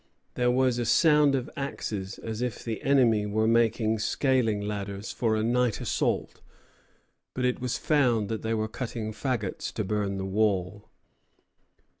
There was a sound of axes, as if the enemy were making scaling ladders for a night assault; but it was found that they were cutting fagots to burn the wall.